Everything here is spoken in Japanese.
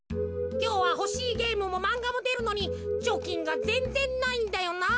きょうはほしいゲームもまんがもでるのにちょきんがぜんぜんないんだよなあ。